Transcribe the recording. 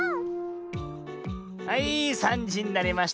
はい３じになりました。